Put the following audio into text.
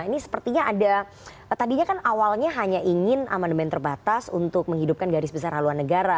ini sepertinya ada tadinya kan awalnya hanya ingin amandemen terbatas untuk menghidupkan garis besar haluan negara